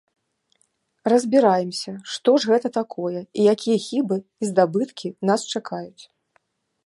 Разбіраемся, што ж гэта такое і якія хібы і здабыткі нас чакаюць.